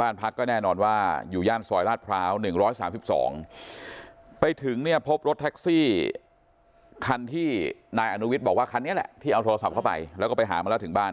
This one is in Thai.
บ้านพักก็แน่นอนว่าอยู่ย่านซอยลาดพร้าว๑๓๒ไปถึงเนี่ยพบรถแท็กซี่คันที่นายอนุวิทย์บอกว่าคันนี้แหละที่เอาโทรศัพท์เข้าไปแล้วก็ไปหามาแล้วถึงบ้าน